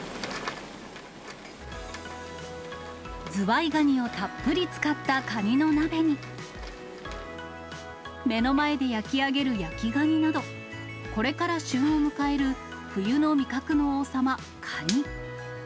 ズワイガニをたっぷり使ったカニの鍋に、目の前で焼き上げる焼きガニなど、これから旬を迎える冬の味覚の王様、カニ。